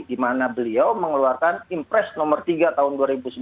di mana beliau mengeluarkan impres nomor tiga tahun dua ribu sembilan belas